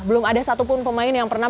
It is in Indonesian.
belum ada satupun pemain yang pernah